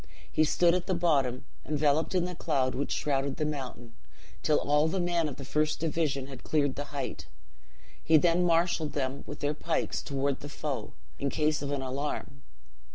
He stood at the bottom, enveloped in the cloud which shrouded the mountain, till all the men of the first division had cleared the height; he then marshaled them with their pikes toward the foe, in case of an alarm.